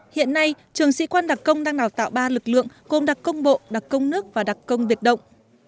hiện nay trường sĩ quan đặc công đang đào tạo ba lực lượng gồm đặc công bộ đặc công nước và đặc công biệt động